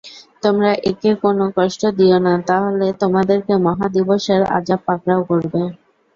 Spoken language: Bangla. তোমরা একে কোন কষ্ট দিও না, তাহলে তোমাদেরকে মহা দিবসের আযাব পাকড়াও করবে।